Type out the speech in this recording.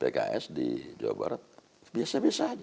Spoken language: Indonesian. pks di jawa barat biasa biasa aja